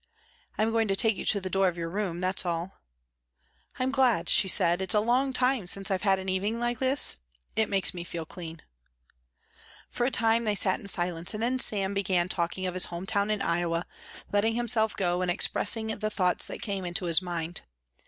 "I am going to take you to the door of your room, that's all." "I'm glad," she said; "it's a long time since I've had an evening like this. It makes me feel clean." For a time they sat in silence and then Sam began talking of his home town in Iowa, letting himself go and expressing the thoughts that came into his mind.